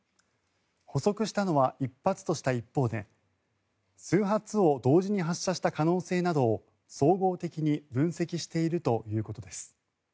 捕捉したのは１発とした一方で数発を同時に発射した可能性などを総合的に分析しているということです。